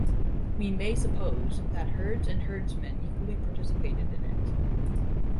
We may suppose that herds and herdsmen equally participated in it.